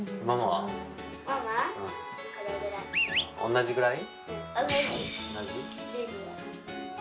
同じぐらい？